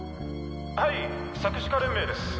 はい作詞家連盟です。